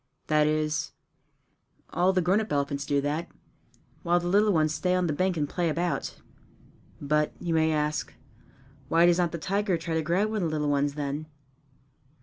That is, all the grown up elephants do that, while the little ones stay on the bank and play about. But, you may ask, why does not the tiger try to grab one of the little ones then?